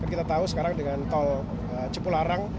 kita tahu sekarang dengan tol cipularang